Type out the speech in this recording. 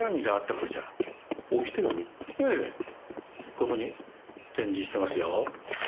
ここに展示してますよ。